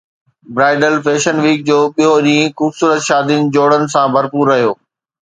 bridal fashion week جو ٻيو ڏينهن خوبصورت شادين جوڙن سان ڀرپور رهيو